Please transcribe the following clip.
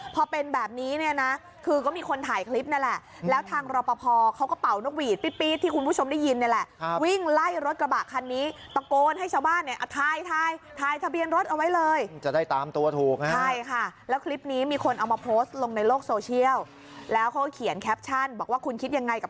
พอเป็นแบบนี้เนี่ยนะคือก็มีคนถ่ายคลิปนั่นแหละแล้วทางรอปภเขาก็เป่านกหวีดปี๊ดที่คุณผู้ชมได้ยินนี่แหละวิ่งไล่รถกระบะคันนี้ตะโกนให้ชาวบ้านเนี่ยถ่ายทะเบียนรถเอาไว้เลยจะได้ตามตัวถูกนะใช่ค่ะแล้วคลิปนี้มีคนเอามาโพสต์ลงในโลกโซเชียลแล้วเขาเขียนแคปชั่นบอกว่าคุณคิดยังไงกับ